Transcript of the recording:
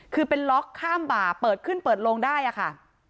คือเป็นล็อกข้ามบ่าเปิดขึ้นเปิดโลงได้อะค่ะ